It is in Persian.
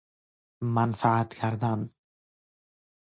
منفعت کردن